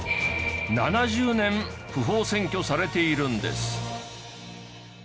７０年不法占拠されているんです。